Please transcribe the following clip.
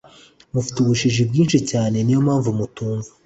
mufite ubujiji bwishi cyane niyompamvu mutumva